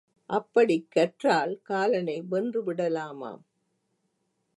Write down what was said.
அப்படிக் கற்றால் காலனை வென்று விடலாமாம்.